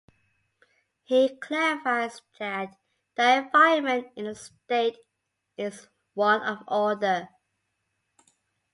He clarifies that "the environment in the State is one of order".